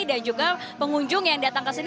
dan juga pengunjung yang datang ke sini